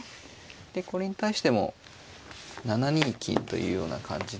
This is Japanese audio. でこれに対しても７二金というような感じで。